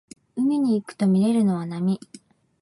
海に行くとみれるのは波